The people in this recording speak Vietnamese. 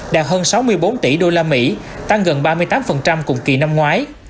đạt hơn sáu mươi bốn tỷ usd tăng gần ba mươi tám cùng kỳ năm ngoái